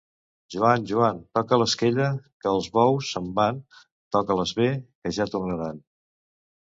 Joan, Joan, toca l'esquella que els bous se'n van; toca-les bé, que ja tornaran.